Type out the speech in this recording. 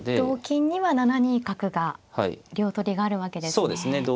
同金には７二角が両取りがあるわけですね。